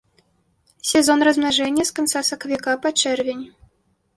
Сезон размнажэння з канца сакавіка па чэрвень.